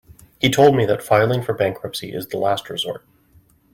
He told me that filing for bankruptcy is the last resort.